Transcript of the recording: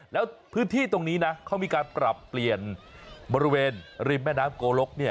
แล้วพื้นที่ตรงนี้นะเขามีการปรับเปลี่ยนบริเวณริมแม่น้ำโกลก